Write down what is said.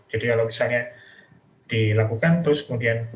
jadi kalau misalnya dilakukan terus kemudian